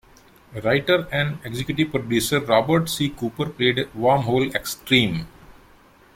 Writer and executive producer Robert C. Cooper played a Wormhole X-Treme!